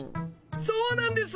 そうなんです。